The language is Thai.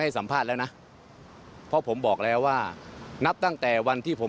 สัมภาษณ์แล้วนะเพราะผมบอกแล้วว่านับตั้งแต่วันที่ผม